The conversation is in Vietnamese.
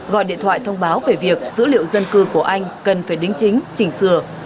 gọi điện thoại thông báo về việc dữ liệu dân cư của anh cần phải đính chính chỉnh sửa